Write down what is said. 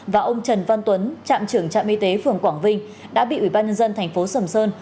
và ông trần văn tuấn trạm trưởng trạm y tế phường quảng vinh đã bị ủy ban nhân dân thành phố sầm sơn